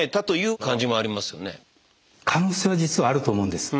可能性は実はあると思うんです。